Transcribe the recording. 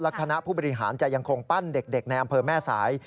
คณะผู้บริหารจะยังคงปั้นเด็กในอำเภอแม่สาย